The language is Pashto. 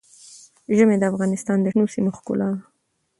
ژمی د افغانستان د شنو سیمو ښکلا ده.